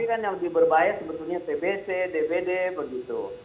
iya iya tapi kan yang diberbayar sebetulnya tbc dbd begitu